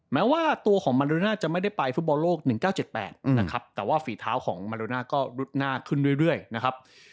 แม้ว่าตัวของมันโรน่าจะไม่ได้ไปฟุตบอลโลก๑๙๗๘นะครับแต่ว่าฝีเท้าของมาโรนาก็รุดหน้าขึ้นเรื่อยนะครับ